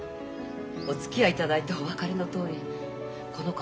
おつきあいいただいてお分かりのとおりこの子頭のいい子です。